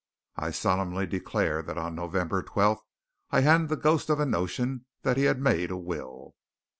I solemnly declare that on November 12th I hadn't the ghost of a notion that he had made a will.